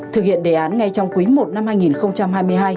thực hiện đề án ngay trong cuối một năm hai nghìn hai mươi hai